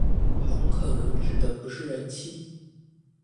紅可能指的不是人氣